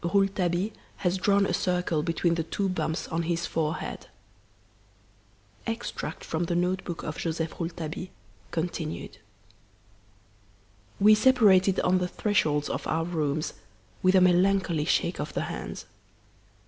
Rouletabille Has Drawn a Circle Between the Two Bumps on His Forehead (EXTRACT FROM THE NOTE BOOK OF JOSEPH ROULETABILLE, continued) "We separated on the thresholds of our rooms, with a melancholy shake of the hands.